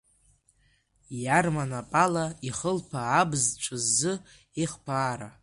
Иарманап ала ихылԥа абз ҵәызы ихԥаара.